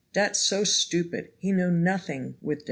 Dat so stupid he know nothing with dis.